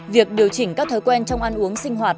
việc điều chỉnh các thói quen trong ăn uống sinh hoạt